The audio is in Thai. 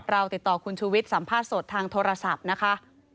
เราติดต่อคุณชูวิทย์สัมภาษณ์สดทางโทรศัพท์นะคะ